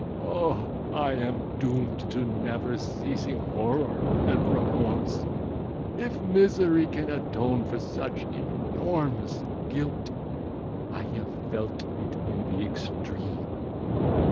O! I am doomed to never ceasing horror and remorse! If misery can atone for such enormous guilt, I have felt it in the extreme.